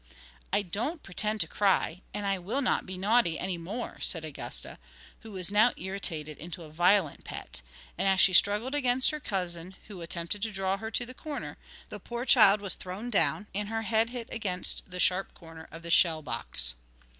'I don't pretend to cry, and I will not be naughty any more!' said Augusta, who was now irritated into a violent pet; and as she struggled against her cousin, who attempted to draw her to the corner, the poor child was thrown down, and her head hit against the sharp corner of the shell box.